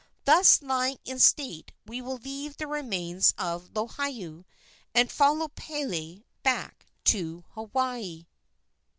Thus lying in state we will leave the remains of Lohiau, and follow Pele back to Hawaii.